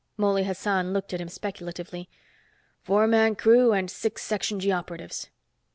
Mouley Hassan looked at him speculatively. "Four man crew and six Section G operatives."